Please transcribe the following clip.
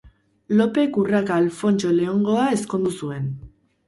Lopek Urraka Alfontso Leongoa ezkondu zuen.